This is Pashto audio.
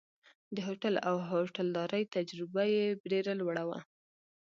د هوټل او هوټلدارۍ تجربه یې ډېره لوړه وه.